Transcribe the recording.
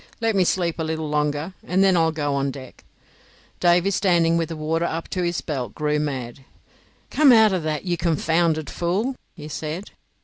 "Let me sleep a little longer, and then I'll go on deck." Davy standing with the water up to his belt, grew mad. "Come out of that, you confounded fool," he said.